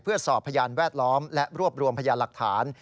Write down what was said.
เพื่อสอบพยานแวดล้อมและรวบรวมพยานหลักฐาน